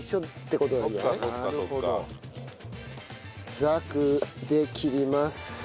ざくで切ります。